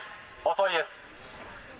遅いです。